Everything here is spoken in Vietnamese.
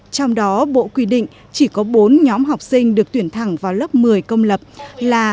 trong đó bộ quy định chỉ có bốn nhóm học sinh được tuyển thẳng vào lớp một mươi công lập là